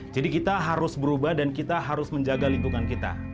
jadi kita harus berubah dan kita harus menjaga lingkungan kita